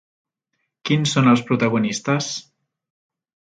Quins són els protagonistes?